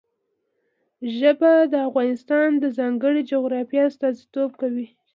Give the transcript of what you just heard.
ژبې د افغانستان د ځانګړي جغرافیه استازیتوب کوي.